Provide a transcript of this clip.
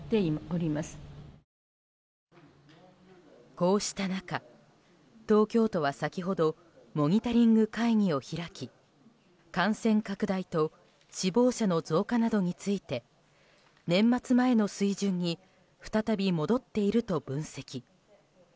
こうした中、東京都は先ほどモニタリング会議を開き感染拡大と死亡者の増加などについて年末前の水準に再び戻っていると分析。